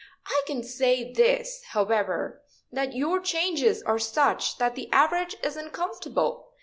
I can say this, however, that your changes are such that the average is uncomfortable.